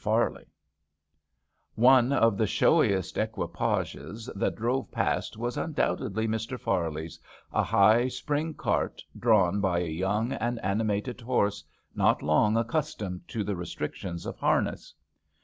FARLEY One of the showiest equipages that drove past was undoubtedly Mr. Farley's, a high spring cart drawn by a young and animated horse not long accustomed to the restrictions of harness.